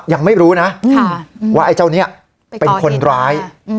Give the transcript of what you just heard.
ยังไม่รู้นะว่าไอ้เจ้านี้เป็นคนร้าย